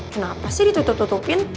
kenapa sih ditutup tutupin